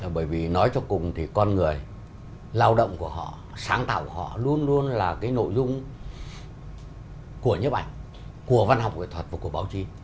bởi vì nói cho cùng thì con người lao động của họ sáng tạo của họ luôn luôn là cái nội dung của nhấp ảnh của văn học nghệ thuật và của báo chí